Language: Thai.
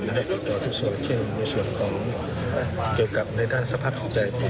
ให้ติดต่อทุกส่วนเช่นในส่วนของเกี่ยวกับในด้านสภาพจิตใจที่